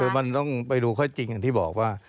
คือมันต้องไปดูข้อจริงอย่างที่บอกว่า